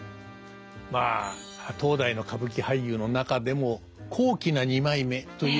まあ当代の歌舞伎俳優の中でも高貴な二枚目といえばですね